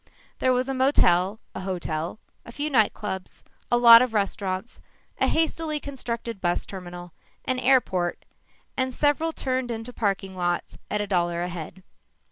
There was a motel, a hotel, a few night clubs, a lot of restaurants, a hastily constructed bus terminal, an airport and several turned into parking lots at a dollar a head.